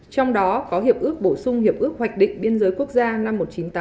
trong đó có hiệp ước bổ sung hiệp ước hoạch định biên giới quốc gia năm một nghìn chín trăm tám mươi năm